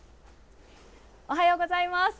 おはようございます。